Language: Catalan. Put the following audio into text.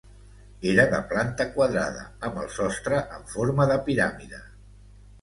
Era de planta quadrada, amb el sostre en forma de piràmide.